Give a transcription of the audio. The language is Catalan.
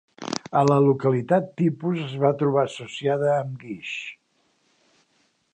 A la localitat tipus es va trobar associada amb guix.